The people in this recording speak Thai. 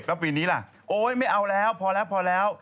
แล้วปีนี้ละโอ๊ยไม่เอาล้าพอเเร้อพอเเร้อ